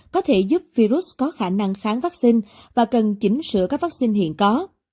có thể giúp virus có khả năng kháng vaccine và cần chỉnh sửa các vaccine hiện có